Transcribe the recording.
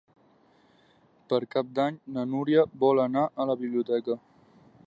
Per Cap d'Any na Núria vol anar a la biblioteca.